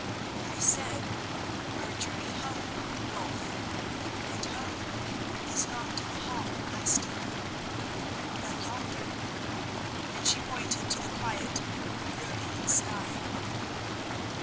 "I said our journey home Wulf; and home is not in the hall at Steeple, but yonder," and she pointed to the quiet, brooding sky.